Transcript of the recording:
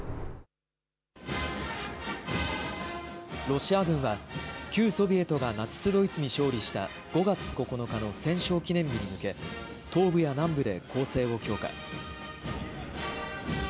ロシア軍は、旧ソビエトがナチス・ドイツに勝利した５月９日の戦勝記念日に向け東部や南部で攻勢を強化。